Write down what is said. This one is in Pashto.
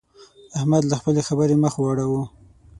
احمد له خپلې خبرې مخ واړاوو.